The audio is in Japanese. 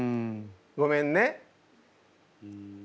ごめんね。